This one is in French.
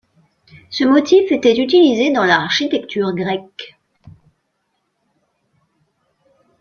Ce motif était utilisé dans l'architecture grecque.